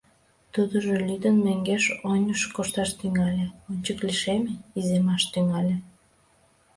Тудыжо лӱдын мӧҥгеш-оньыш кошташ тӱҥале, ончык лишеме, иземаш тӱҥале.